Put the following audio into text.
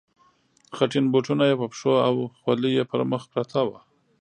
خټین بوټونه یې په پښو او خولۍ یې پر مخ پرته وه.